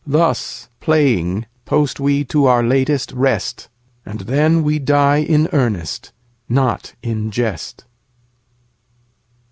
Thus playing post we to our latest rest, And then we die in earnest, not in jest.